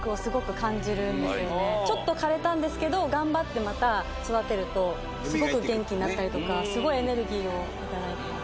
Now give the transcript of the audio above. ちょっと枯れたんですけど頑張ってまた育てるとすごく元気になったりとかすごいエネルギーを頂いてます。